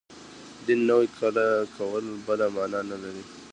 دین نوی کول بله معنا نه لري.